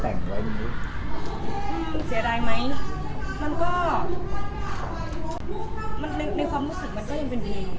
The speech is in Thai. ถึงยังไงก็ตามมันก็ยังเจียบ